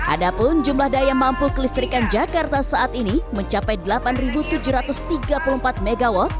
adapun jumlah daya mampu kelistrikan jakarta saat ini mencapai delapan tujuh ratus tiga puluh empat mw